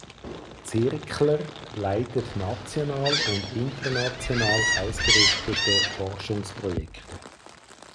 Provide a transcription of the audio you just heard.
Zirkler leitet national und international ausgerichtete Forschungsprojekte.